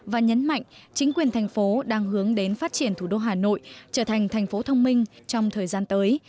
và nhấn mạnh chính quyền thành phố đang hướng đến phát triển thủ đô hà nội trở thành thành phố thông minh trong thời gian tới